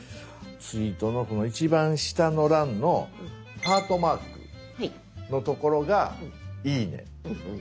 ツイートのこの一番下の欄のハートマークのところが「いいね」。